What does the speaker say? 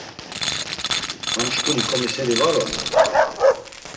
“Ham şǩuni ǩomiseri var oni?”